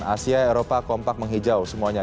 asia eropa kompak menghijau semuanya